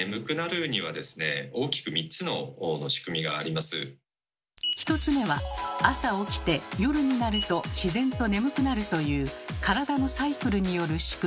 まず１つ目は朝起きて夜になると自然と眠くなるという体のサイクルによるしくみ。